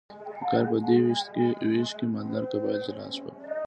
د کار په دې ویش کې مالدار قبایل جلا شول.